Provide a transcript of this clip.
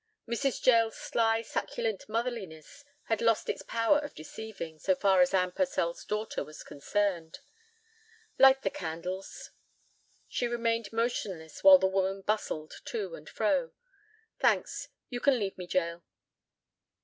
Mrs. Jael's sly, succulent motherliness had lost its power of deceiving, so far as Anne Purcell's daughter was concerned. "Light the candles." She remained motionless while the woman bustled to and fro. "Thanks. You can leave me, Jael."